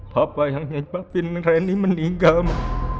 papa yang nyebabin reni meninggal ma